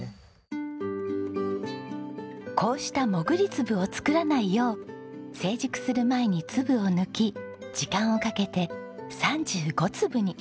こうしたもぐり粒を作らないよう成熟する前に粒を抜き時間をかけて３５粒に育てているんです。